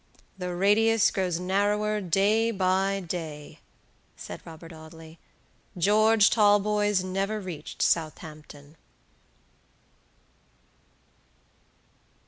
"The radius grows narrower day by day," said Robert Audley. "George Talboys never reached Southampton."